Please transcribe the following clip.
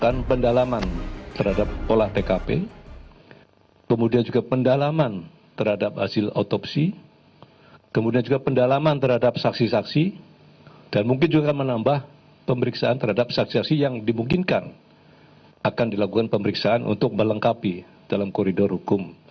kita akan pendalaman terhadap olah tkp kemudian juga pendalaman terhadap hasil otopsi kemudian juga pendalaman terhadap saksi saksi dan mungkin juga menambah pemeriksaan terhadap saksi saksi yang dimungkinkan akan dilakukan pemeriksaan untuk melengkapi dalam koridor hukum